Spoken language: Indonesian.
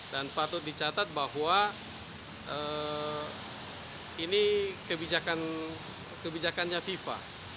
dan patut dicatat bahwa ini kebijakannya fifa